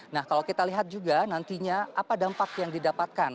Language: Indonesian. nah kalau kita lihat juga nantinya apa dampak yang didapatkan